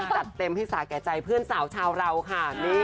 จัดเต็มให้สาแก่ใจเพื่อนสาวชาวเราค่ะ